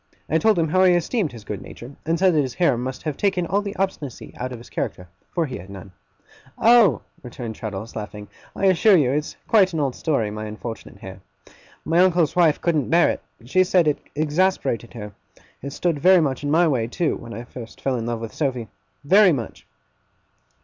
I told him how I esteemed his good nature; and said that his hair must have taken all the obstinacy out of his character, for he had none. 'Oh!' returned Traddles, laughing. 'I assure you, it's quite an old story, my unfortunate hair. My uncle's wife couldn't bear it. She said it exasperated her. It stood very much in my way, too, when I first fell in love with Sophy. Very much!